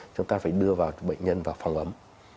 chúng ta phải đưa bệnh nhân vào phòng ấm